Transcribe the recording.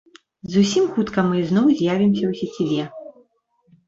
Зусім хутка мы ізноў з'явімся ў сеціве!